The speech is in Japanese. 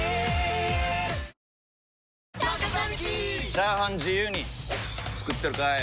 チャーハン自由に作ってるかい！？